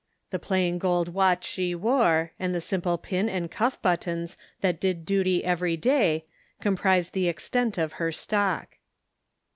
The plain gold watch she wore, and the simple pin and cuff buttons that did dirty every day, comprised the extent of her stock.